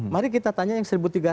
mari kita tanya yang satu tiga ratus